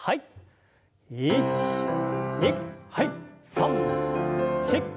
３４。